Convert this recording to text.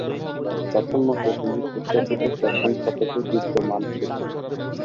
প্রথম মতে, তিনি খ্রিষ্টপূর্ব প্রথম শতকে বিদ্যমান ছিলেন।